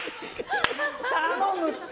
頼むって。